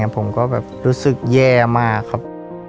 ผมก็แบบรู้สึกแย่มากครับ